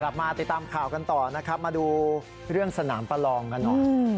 กลับมาติดตามข่าวกันต่อนะครับมาดูเรื่องสนามประลองกันหน่อย